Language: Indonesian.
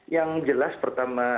yang jelas pertama